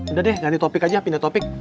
udah deh nyari topik aja pindah topik